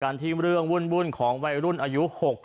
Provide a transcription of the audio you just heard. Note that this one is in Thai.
ที่เรื่องวุ่นของวัยรุ่นอายุ๖๐